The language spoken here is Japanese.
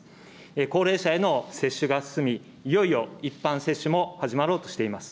高齢者への接種が進み、いよいよ一般接種も始まろうとしています。